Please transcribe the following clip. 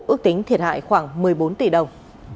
ước tính thiệt hại khoảng một mươi bốn tỷ đồng